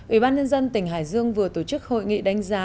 ủy ban nhân dân tỉnh hải dương vừa tổ chức hội nghị đánh giá